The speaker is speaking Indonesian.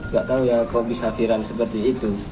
gak tahu ya kok bisa viral seperti itu